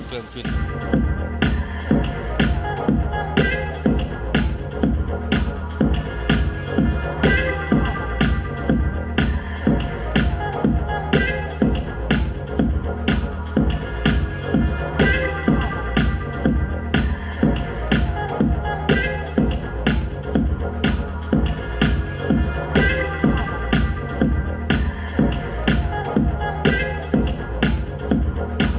ด้วยการติดตามการถ่ายทอดสดโดยเฉพาะยิ่งเลือกกีฬานะครับรวมทั้งการติดตาม